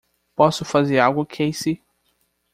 Posso fazer algo Cassie?